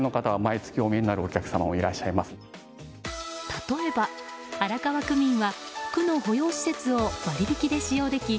例えば荒川区民は区の保養施設を割引きで使用でき